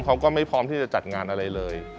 เขาก็ไม่พร้อมที่จะจัดงานอะไรเลย